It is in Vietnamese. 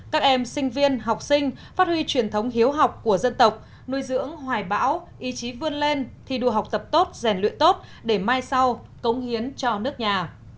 các em sinh viên học sinh phát huy truyền thống hiếu học của dân tộc nuôi dưỡng hoài bão ý chí vươn lên thi đua học tập tốt rèn luyện tốt để mai sau cống hiến cho nước nhà